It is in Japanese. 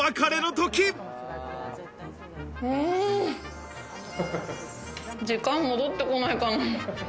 時間戻ってこないかな。